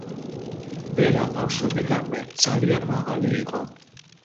ვერა ბავშვობიდანვე ძალიან მაღალი იყო.